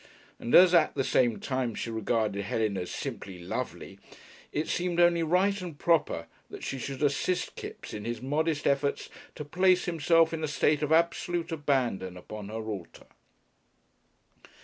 And as at that time she regarded Helen as "simply lovely," it seemed only right and proper that she should assist Kipps in his modest efforts to place himself in a state of absolute abandon upon her altar.